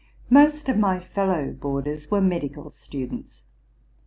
Most of my fellow boarders were medical students.